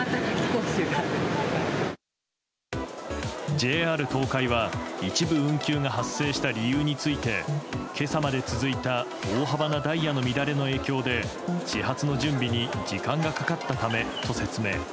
ＪＲ東海は一部運休が発生した理由について今朝まで続いた大幅なダイヤの乱れの影響で始発の準備に時間がかかったためと説明。